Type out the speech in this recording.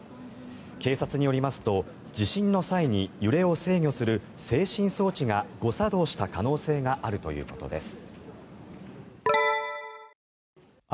警察によりますと、地震の際に揺れを制御する制振装置が誤作動した可能性があるということです。